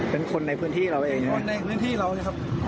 เป็นคนในพื้นที่เราเองเนี่ย